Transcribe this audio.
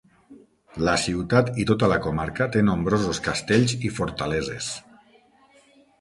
La ciutat i tota la comarca té nombrosos castells i fortaleses.